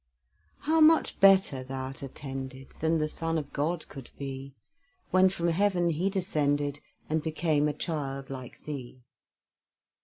How much better thou'rt attended Than the Son of God could be, When from heaven He descended, And became a child like thee!